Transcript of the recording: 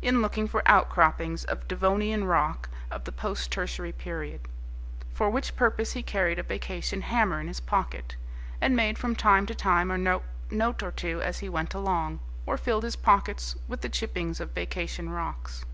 in looking for outcroppings of Devonian rock of the post tertiary period. For which purpose he carried a vacation hammer in his pocket, and made from time to time a note or two as he went along, or filled his pockets with the chippings of vacation rocks.